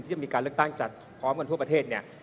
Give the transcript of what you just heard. จะมีการเลือกตั้งจัดพร้อมกันทั่วประเทศเนี่ย